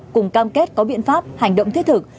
cùng cam kết có biện pháp hành động thiết thực